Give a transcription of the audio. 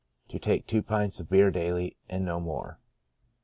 To take two pints of beer daily, and no more.